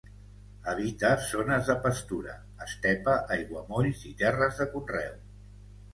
Habita zones de pastura, estepa, aiguamolls i terres de conreu.